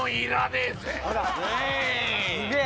すげえ。